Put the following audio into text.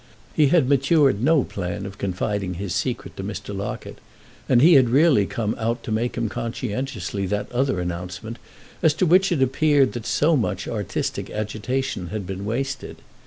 He had matured no plan of confiding his secret to Mr. Locket, and he had really come out to make him conscientiously that other announcement as to which it appeared that so much artistic agitation had been wasted.